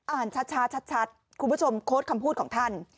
อ่านช้าชัดคุณผู้ชมโค้ดคำพูดของท่าน